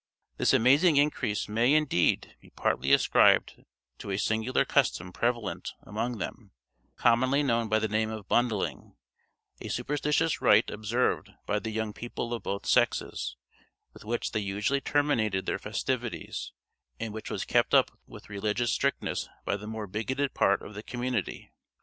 This amazing increase may, indeed, be partly ascribed to a singular custom prevalent among them, commonly known by the name of bundling a superstitious rite observed by the young people of both sexes, with which they usually terminated their festivities, and which was kept up with religious strictness by the more bigoted part of the community.